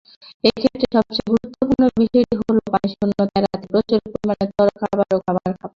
এক্ষেত্রে সবচেয়ে গুরুত্বপূর্ণ বিষয়টি হলো পানিশূণ্যতা এড়াতে প্রচুর পরিমাণে তরল পানীয় ও খাবার খাওয়া।